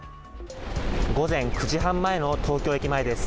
午前９時半前の東京駅前です。